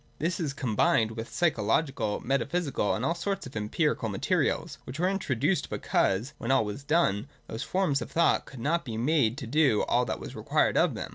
This is combined with psychological, metaphysical, and all sorts or empirical materials, which were introduced bec.iuse, when all was done, those forms of thought could not be made to do all tha't was required of them.